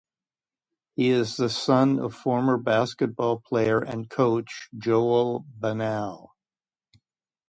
He is the son of former basketball player and coach Joel Banal.